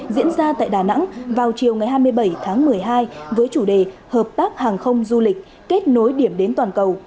diễn ra tại đà nẵng vào chiều ngày hai mươi bảy tháng một mươi hai với chủ đề hợp tác hàng không du lịch kết nối điểm đến toàn cầu